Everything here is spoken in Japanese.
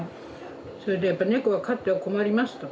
それでやっぱり猫は飼っては困りますと。